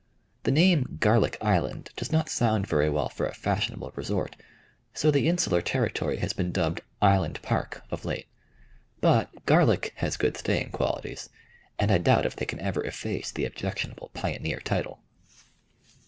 The name "Garlic Island" does not sound very well for a fashionable resort, so the insular territory has been dubbed "Island Park" of late; but "Garlic" has good staying qualities, and I doubt if they can ever efface the objectionable pioneer title.